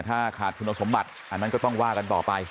ถ้าขาดคุณสมบัติอันนั้นก็ต้องว่ากันต่อไป